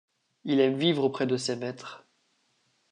Il aime vivre auprès de ses maîtres.